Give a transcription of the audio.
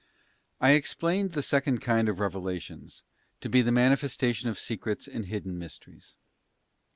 I EXPLAINED the second kind of revelations to be the mani festation of secrets and hidden mysteries.